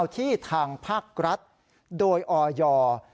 ที่ทางภาครัฐโดยออย